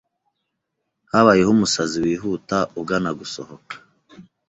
Habayeho umusazi wihuta ugana gusohoka.